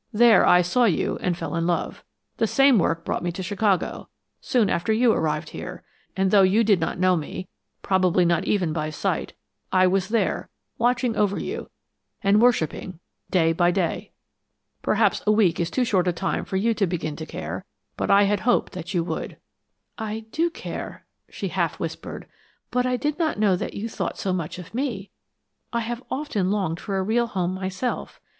"There I saw you and fell in love. The same work brought me to Chicago, soon after you arrived here, and though you did not know me probably not even by sight I was there, watching over you, and worshipping day by day. Perhaps a week is too short a time for you to begin to care, but I had hoped that you would." "I do care," she half whispered, "but I did not know that you thought so much of me. I have often longed for a real home myself.